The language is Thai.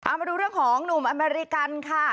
เอามาดูเรื่องของหนุ่มอเมริกันค่ะ